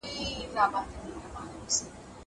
نان وخوره!